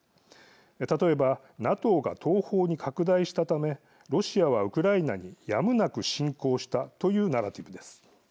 例えば、ＮＡＴＯが東方に拡大したためロシアはウクライナにやむなく侵攻したというナラティブです。